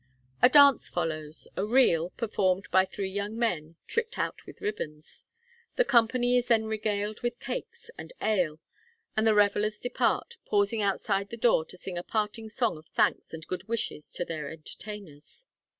A dance follows a reel, performed by three young men, tricked out with ribbons. The company is then regaled with cakes and ale, and the revellers depart, pausing outside the door to sing a parting song of thanks and good wishes to their entertainers.